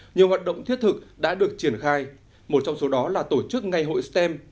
nhiều hoạt động thiết thực đã được triển khai một trong số đó là tổ chức ngày hội stem